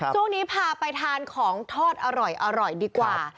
ช่วงนี้พาไปทานของทอดอร่อยดีกว่า